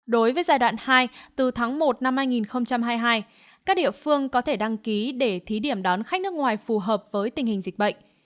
đối với giai đoạn hai từ tháng một năm hai nghìn hai mươi hai các địa phương có thể đăng ký để thí điểm đón khách nước ngoài phù hợp với tình hình dịch bệnh